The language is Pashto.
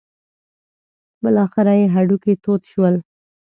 بالاخره یې هډوکي تود شول.